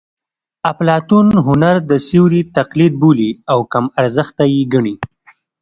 اپلاتون هنر د سیوري تقلید بولي او کم ارزښته یې ګڼي